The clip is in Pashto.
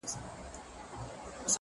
o لکه چي مخکي وې هغسي خو جانانه نه يې؛